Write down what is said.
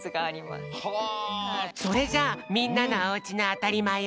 それじゃあみんなのおうちのあたりまえをきいてみよう。